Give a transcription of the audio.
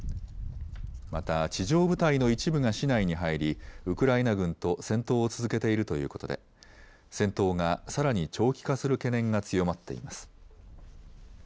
また地上部隊の一部が市内に入りウクライナ軍と戦闘を続けているということで戦闘がさらに長期化する懸念が強まっています。